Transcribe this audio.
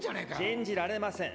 信じられません。